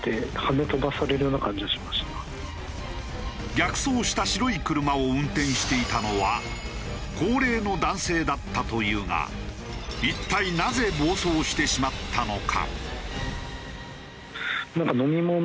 逆走した白い車を運転していたのは高齢の男性だったというが一体なぜ暴走してしまったのか？